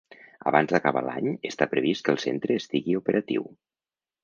Abans d’acabar l’any, està previst que el centre estigui operatiu.